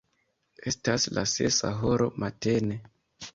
Estas la sesa horo matene.